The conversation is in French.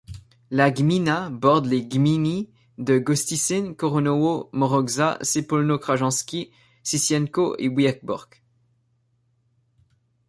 La gmina borde les gminy de Gostycyn, Koronowo, Mrocza, Sępólno Krajeńskie, Sicienko et Więcbork.